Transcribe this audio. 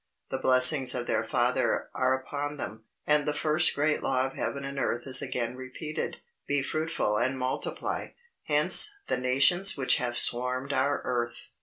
The blessings of their Father are upon them, and the first great law of heaven and earth is again repeated, "Be fruitful and multiply." Hence, the nations which have swarmed our earth.